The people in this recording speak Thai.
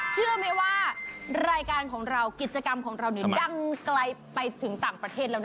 เชื่อไหมว่ารายการของเรากิจกรรมของเรานี่ดังไกลไปถึงต่างประเทศแล้วนะ